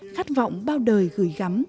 khát vọng bao đời gửi gắm